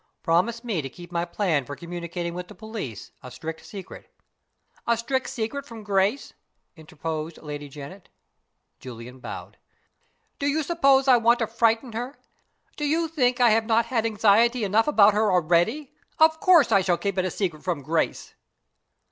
Promise me to keep my plan for communicating with the police a strict secret " "A strict secret from Grace?" interposed Lady Janet. (Julian bowed.) "Do you suppose I want to frighten her? Do you think I have not had anxiety enough about her already? Of course I shall keep it a secret from Grace!"